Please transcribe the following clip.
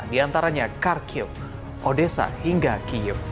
di antaranya kharkiv odessa hingga kiev